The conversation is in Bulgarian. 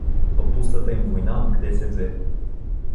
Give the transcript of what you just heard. Па пустата им война отгде се взе!